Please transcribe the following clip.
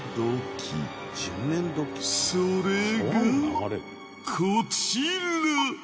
それがこちら